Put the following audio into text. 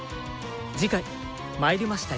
次回「魔入りました！